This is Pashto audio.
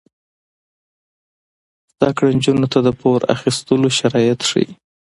زده کړه نجونو ته د پور اخیستلو شرایط ښيي.